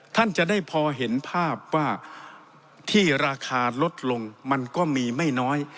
ท่านจะได้พอเห็นภาพว่าที่ราคาลดลงมันก็มีไม่น้อย